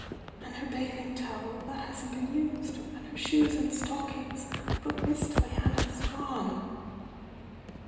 "And her bath ing towel, — that hasn't been used. And her shoes and stockings. But Miss Diana's gone!"